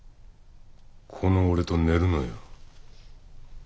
この俺と寝るのよ。